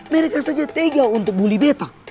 mereka saja tega untuk bully beta